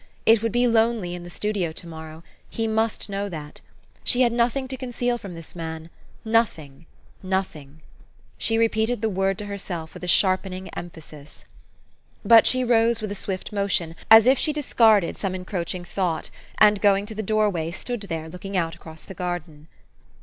It would be lonely in the studio to morrow : he must know that. She had nothing to conceal from this man, nothing, nothing ! She repeated the word to herself with a sharpening emphasis. But she rose with a swift motion, as if she dis carded some encroaching thought, and, going to the doorway, stood there, looking out across the garden.